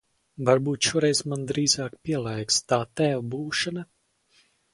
Varbūt šoreiz man drīzāk pielēks tā tēva būšana?